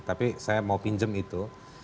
tapi saya mau pinjam itu